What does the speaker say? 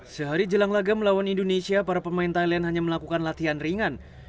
sehari jelang laga melawan indonesia para pemain thailand hanya melakukan latihan ringan